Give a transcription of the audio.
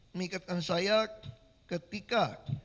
mengingatkan saya ketika